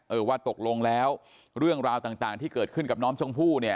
เออว่าตกลงแล้วเรื่องราวต่างที่เกิดขึ้นกับน้องชมพู่เนี่ย